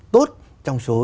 tốt trong số